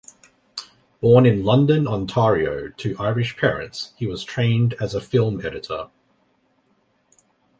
Born in London, Ontario, to Irish parents, he was trained as a film editor.